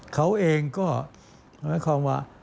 เขาเองก็หมายความว่า